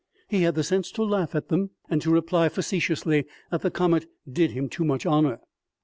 He had the sense to laugh at them, and to reply facetiously that the comet did him too much honor.